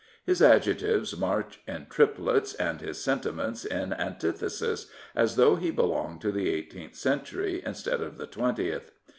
His adjectives march in triplets, and his sentiments in antithesis, as though he belonged to the eighteenth century instead of the twentieth.